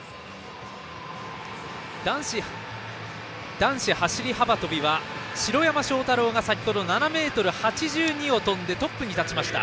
男子走り幅跳びは城山正太郎が先程７ｍ８２を跳んでトップに立ちました。